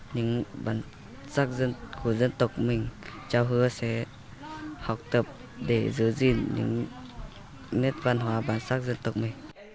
những bản sắc dân của dân tộc mình chào hứa sẽ học tập để giữ gìn những nét văn hóa bản sắc dân tộc mình